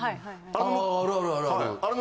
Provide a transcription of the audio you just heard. ああるある。